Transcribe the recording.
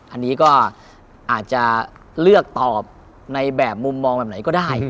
อันนี้ก็อาจจะเลือกตอบในแบบมุมมองแบบไหนก็ได้